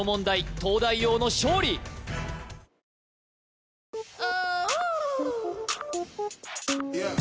東大王の勝利さあ